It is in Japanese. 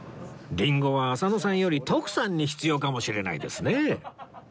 リンゴは浅野さんより徳さんに必要かもしれないですね